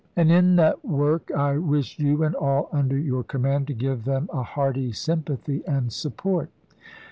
And in that work I wish you and all under your command to give them a hearty sympathy and support.